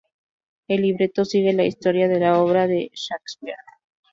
El libreto sigue la historia de la obra de Shakespeare.